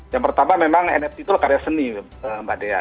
yang pertama nft itu memang karya seni mbak dea